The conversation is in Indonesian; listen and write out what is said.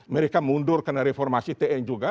mereka mundur karena reformasi tni juga